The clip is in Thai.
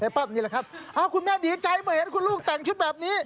ปั้มนี่แหละครับคุณแม่ดีใจเมื่อเห็นคุณลูกแต่งชุดแบบนี้